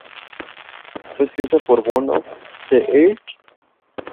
Fue escrita por Bono, The Edge y Larry Mullen Jr.